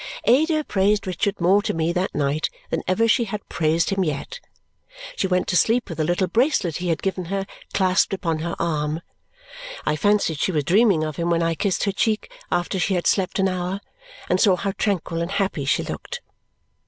Ada praised Richard more to me that night than ever she had praised him yet. She went to sleep with a little bracelet he had given her clasped upon her arm. I fancied she was dreaming of him when I kissed her cheek after she had slept an hour and saw how tranquil and happy she looked.